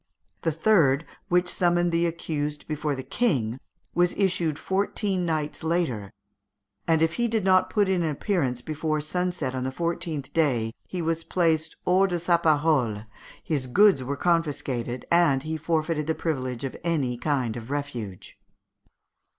The third, which summoned the accused before the King, was issued fourteen nights later, and if he had not put in an appearance before sunset on the fourteenth day, he was placed hors de sa parole, his goods were confiscated, and he forfeited the privilege of any kind of refuge.